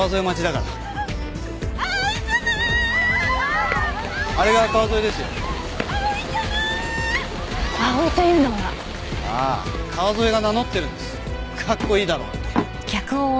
かっこいいだろうって。